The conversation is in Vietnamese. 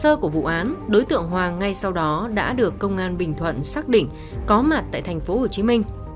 trong hồ sơ của vụ án đối tượng hoàng ngay sau đó đã được công an bình thuận xác định có mặt tại tp hcm